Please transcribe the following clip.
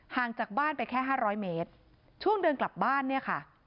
ห่างจากบ้านไปแค่ห้าร้อยเมตรช่วงเดินกลับบ้านเนี่ยค่ะ